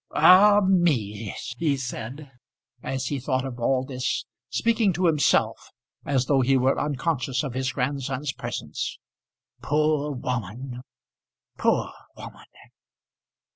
ah, me!" he said, as he thought of all this, speaking to himself, as though he were unconscious of his grandson's presence. "Poor woman! poor woman!"